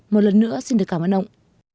một lần nữa xin được cảm ơn ông